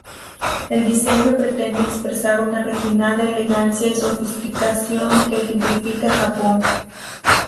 El diseño pretende "expresar una refinada elegancia y sofisticación que ejemplifica Japón".